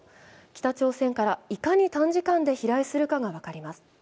北朝鮮から、いかに短時間で飛来するかが分かります。